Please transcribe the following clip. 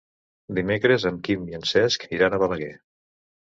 Dimecres en Quim i en Cesc iran a Balaguer.